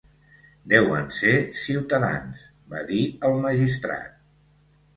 "Deuen ser ciutadans", va dir el magistrat.